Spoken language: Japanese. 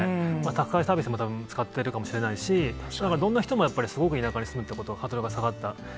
宅配サービスもたぶん、使っているかもしれないし、どんな人も、田舎に住むっていうこと、ハードルが下がった。